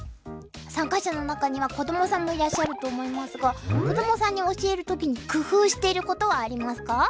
参加者の中には子どもさんもいらっしゃると思いますが子どもさんに教える時に工夫していることはありますか？